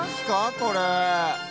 これ。